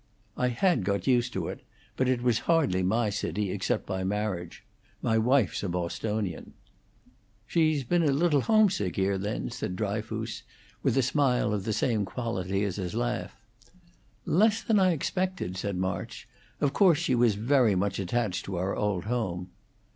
"I had got used to it; but it was hardly my city, except by marriage. My wife's a Bostonian." "She's been a little homesick here, then," said Dryfoos, with a smile of the same quality as his laugh. "Less than I expected," said March. "Of course, she was very much attached to our old home."